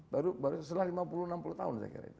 baru setelah lima puluh enam puluh tahun